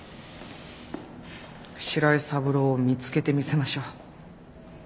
白井三郎を見つけてみせましょう。